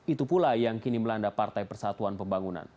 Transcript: itu pula yang kini melanda partai persatuan pembangunan